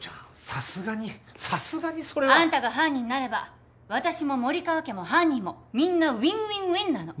さすがにさすがにそれは。あんたが犯人になれば私も森川家も犯人もみんなウィンウィンウィンなの。